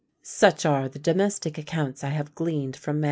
Such are the domestic accounts I have gleaned from MS.